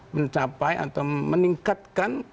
mencapai atau meningkatkan